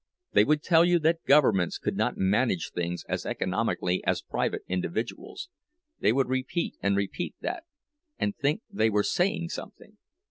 They would tell you that governments could not manage things as economically as private individuals; they would repeat and repeat that, and think they were saying something!